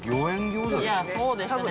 いやそうですね。